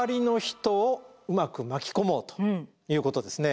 ということですね。